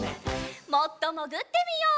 もっともぐってみよう。